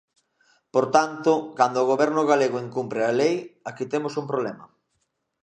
Por tanto, cando o Goberno galego incumpre a lei, aquí temos un problema.